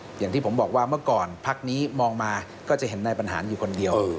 อย่างที่ผมบอกว่าเมื่อก่อนพักนี้มองมาก็จะเห็นนายบรรหารอยู่คนเดียว